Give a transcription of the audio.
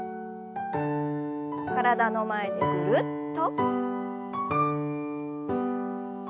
体の前でぐるっと。